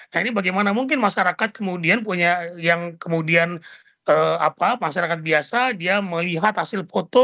nah ini bagaimana mungkin masyarakat kemudian punya yang kemudian masyarakat biasa dia melihat hasil foto